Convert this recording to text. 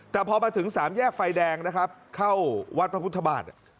แต่พอมาถึงสามแยกไฟแดงนะครับเข้าวัดพระพุทธบาท